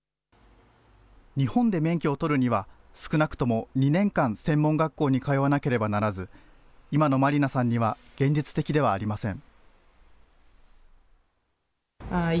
日本で免許を取るには、少なくとも２年間、専門学校に通わなければならず、今のマリナさんには現実的ではありません。